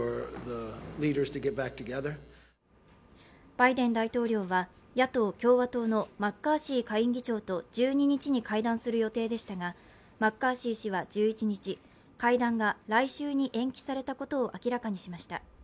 バイデン副大統領は野党・共和党のマッカーシー下院議員と１２日に会談する予定でしたが、マッカーシー氏は１１日、会談が来週に延期されたことを明らかにしました。